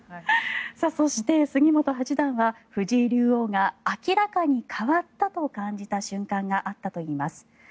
そして杉本八段は藤井竜王が明らかに変わったと感じた瞬間があったといいます。